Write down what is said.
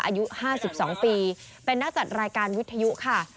อายุ๕๒ปีเป็นนักจัดรายการวิทยุค่ะ